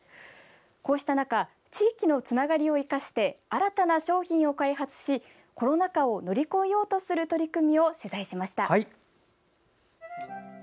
こうした中地域のつながりを生かして新たな商品を開発しコロナ禍を乗り越えようとする取り組みを取材しました。